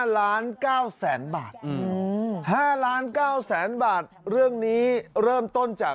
ล้าน๙แสนบาท๕ล้าน๙แสนบาทเรื่องนี้เริ่มต้นจาก